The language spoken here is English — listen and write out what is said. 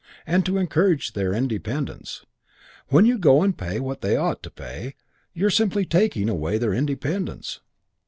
And to encourage their independence. When you go and pay what they ought to pay, you're simply taking away their independence."